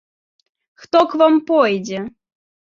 Хто к вам пойдзе!